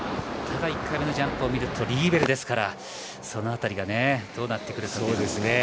ただ１回目のジャンプを見るとリーベルですからその辺りがどうなってくるか。